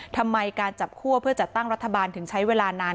ทำไมการจับคั่วเพื่อจัดตั้งรัฐบาลถึงใช้เวลานาน